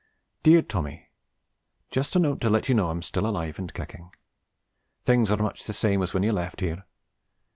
DEAR TOMMY, Just a note to let you know that I am still alive and kicking. Things are much the same as when you left here.